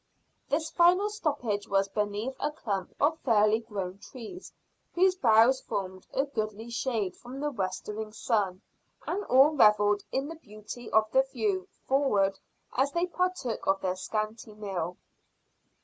This final stoppage was beneath a clump of fairly grown trees whose boughs formed a goodly shade from the westering sun, and all revelled in the beauty of the view forward as they partook of their scanty meal.